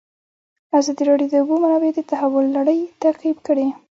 ازادي راډیو د د اوبو منابع د تحول لړۍ تعقیب کړې.